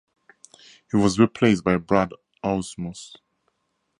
He was replaced by Brad Ausmus.